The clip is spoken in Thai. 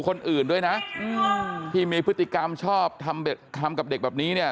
คนอื่นด้วยนะที่มีพฤติกรรมชอบทำกับเด็กแบบนี้เนี่ย